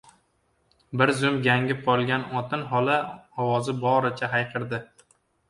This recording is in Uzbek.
Bir zum gangib qolgan otin xola ovozi boricha hayqirdi: